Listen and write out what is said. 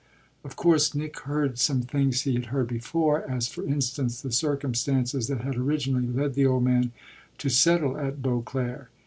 Of course Nick heard some things he had heard before; as for instance the circumstances that had originally led the old man to settle at Beauclere.